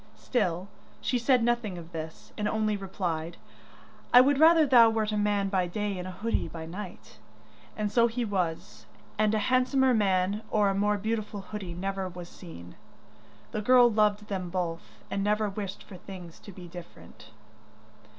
Still she said nothing of this, and only replied, 'I would rather thou wert a man by day and a hoodie by night,' And so he was; and a handsomer man or a more beautiful hoodie never was seen. The girl loved them both, and never wished for things to be different.